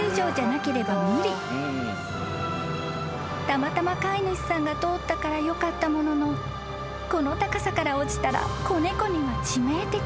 ［たまたま飼い主さんが通ったからよかったもののこの高さから落ちたら子猫には致命的］